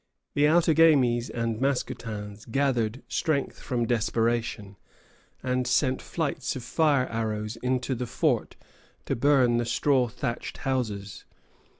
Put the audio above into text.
The Outagamies and Mascoutins gathered strength from desperation, and sent flights of fire arrows into the fort to burn the straw thatched houses.